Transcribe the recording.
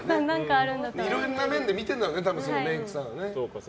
いろんな面で見てるんだろうねそのメイクさんは。